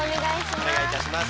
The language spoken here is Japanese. お願いいたします。